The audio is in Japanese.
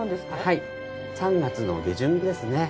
はい３月の下旬ですね。